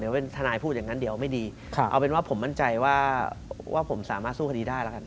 เป็นทนายพูดอย่างนั้นเดี๋ยวไม่ดีเอาเป็นว่าผมมั่นใจว่าผมสามารถสู้คดีได้แล้วกัน